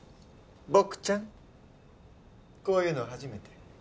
僕ちゃんこういうの初めて？